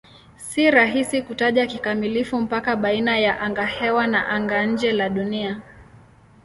Si rahisi kutaja kikamilifu mpaka baina ya angahewa na anga-nje la Dunia.